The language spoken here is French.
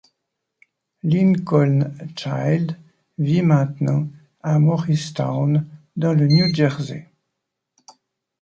Lincoln Child vit maintenant à Morristown dans le New Jersey.